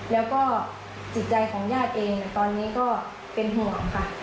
แล้วก็จิตใจของญาติเองตอนนี้ก็เป็นห่วงค่ะ